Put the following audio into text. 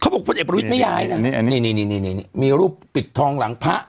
บอกพลเอกประวิทย์ไม่ย้ายนะนี่นี่มีรูปปิดทองหลังพระ